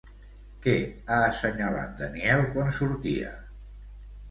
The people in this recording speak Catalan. Què ha assenyalat Daniel quan sortia?